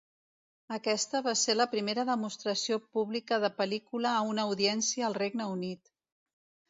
Aquesta va ser la primera demostració pública de pel·lícula a una audiència al Regne Unit.